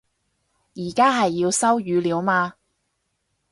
而家係要收語料嘛